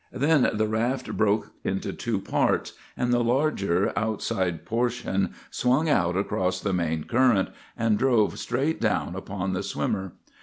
Then the raft broke into two parts, and the larger outside portion swung out across the main current and drove straight down upon the swimmer.